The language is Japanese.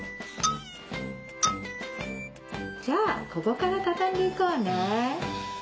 じゃあここからたたんでいこうね。